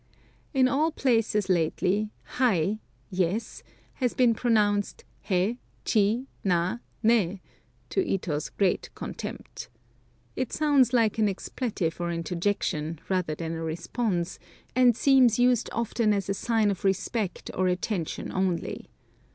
In all places lately Hai, "yes," has been pronounced Hé, Chi, Na, Né, to Ito's great contempt. It sounds like an expletive or interjection rather than a response, and seems used often as a sign of respect or attention only.